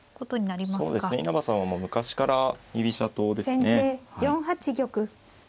そうですね稲葉さんはもう昔から居飛車党ですね。